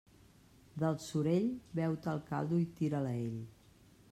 Del sorell, beu-te el caldo i tira'l a ell.